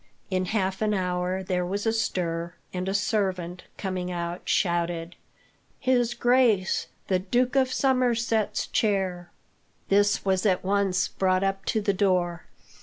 In half an hour there was a stir, and a servant, coming out, shouted: "His Grace the Duke of Somerset's chair." This was at once brought up to the door.